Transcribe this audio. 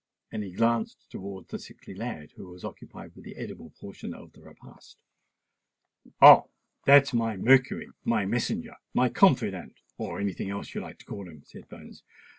And he glanced towards the sickly lad, who was still occupied with the edible portion of the repast. "Oh! that's my Mercury—my messenger—my confidant—or any thing else you like to call him," said Bones.